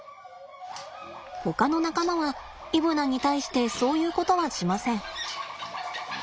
ほかの仲間はイブナに対してそういうことはしません。